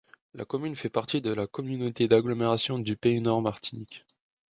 La commune fait partie de la communauté d'agglomération du Pays Nord Martinique.